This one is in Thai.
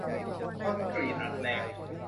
คอนกรีตอัดแรง